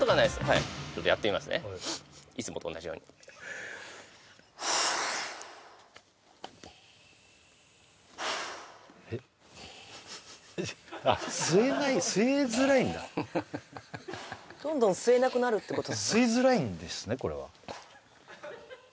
はいちょっとやってみますねいつもと同じようにあっ吸えない吸えづらいんだどんどん吸えなくなるってことですか吸いづらいんですね